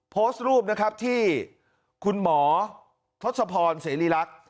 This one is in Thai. โพสต์รูปนะครับที่คุณหมอทศพรเสรีรักษ์